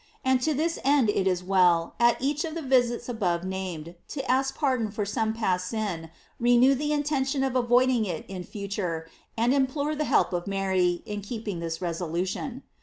And to this end it is well, at each of the visits above named, to ask pardon for some past sin, renew the intention of avoiding it in future, and implore the help of Mary, in keeping this res olution.